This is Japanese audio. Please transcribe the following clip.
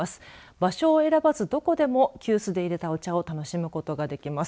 場所を選ばずどこでも急須で入れたお茶を楽しむことができます。